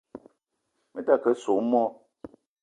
Me ta ke soo moo